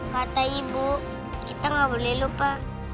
kata ibu kita nggak boleh lupa